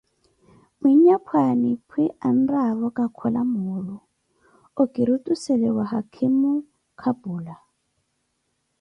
Mwinyapwaani phi anraavo ka kola moolu, okirutiisele wa haakhimo kapula.